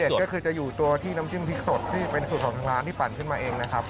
ก็คือจะอยู่ตัวที่น้ำจิ้มพริกสดที่เป็นสูตรของทางร้านที่ปั่นขึ้นมาเองนะครับ